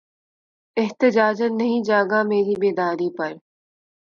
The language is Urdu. احتجاجاً نہیں جاگا مری بیداری پر